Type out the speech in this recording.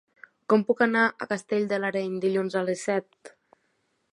Com puc anar a Castell de l'Areny dilluns a les set?